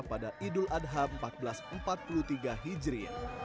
pada idul adha seribu empat ratus empat puluh tiga hijri